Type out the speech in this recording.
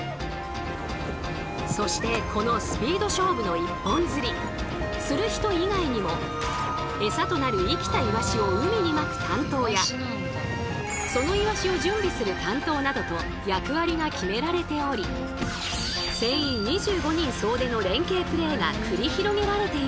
そしてこのスピード勝負の一本釣り釣る人以外にもエサとなる生きたイワシを海にまく担当やそのイワシを準備する担当などと役割が決められており船員２５人総出の連携プレーが繰り広げられているんです。